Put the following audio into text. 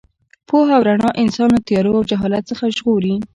پوهه او رڼا انسان له تیارو او جهالت څخه ژغوري.